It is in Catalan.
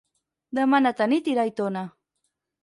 Demà na Tanit irà a Aitona.